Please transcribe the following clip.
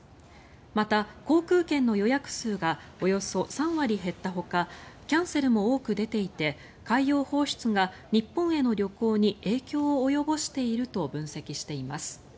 また、航空券の予約数がおよそ３割減ったほかキャンセルも多く出ていて海洋放出が日本への旅行に影響を及ぼしていると分析しています。